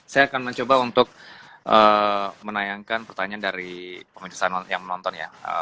saya akan mencoba untuk menayangkan pertanyaan dari pemirsa yang menonton ya